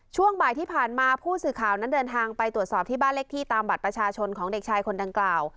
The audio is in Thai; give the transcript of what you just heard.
ช่วงบ่ายที่ผ่านมาผู้สื่อข่าวนั้นเดินทางไปตรวจสอบที่บ้านเลขที่ตามบัตรประชาชนของเด็กชายคนดังกล่าว